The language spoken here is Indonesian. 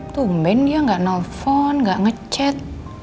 tumben dia gak nelfon gak ngechat